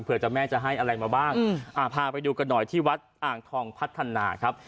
เพื่อจะแม่จะให้อะไรมาบ้างพาไปดูกันหน่อยที่วัดอ่างทองพัฒนาครับ